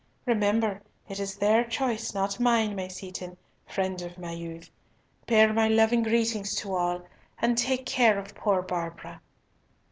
Remember, it is their choice, not mine, my Seaton, friend of my youth. Bear my loving greetings to all. And take care of poor Barbara!"